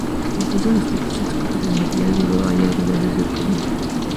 Incluso en los textos inscritos en material duro hay algunas excepciones.